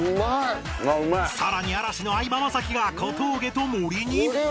さらに嵐の相葉雅紀が小峠と森に